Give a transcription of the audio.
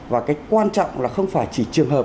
và cái quan trọng là không phải chỉ trường hợp